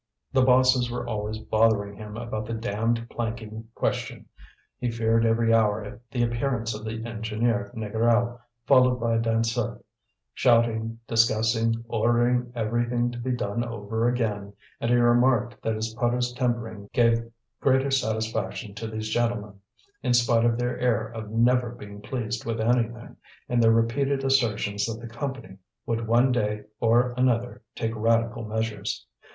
The bosses were always bothering him about the damned planking question; he feared every hour the appearance of the engineer Négrel, followed by Dansaert, shouting, discussing, ordering everything to be done over again, and he remarked that his putter's timbering gave greater satisfaction to these gentlemen, in spite of their air of never being pleased with anything, and their repeated assertions that the Company would one day or another take radical measures.